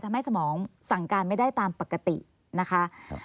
สมองสั่งการไม่ได้ตามปกตินะคะ